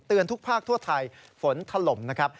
ทุกภาคทั่วไทยฝนถล่มนะครับ